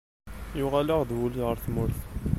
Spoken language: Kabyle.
Yuɣal-aɣ-d wul ɣer tmurt.